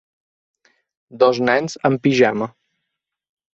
Dos nens en pijama.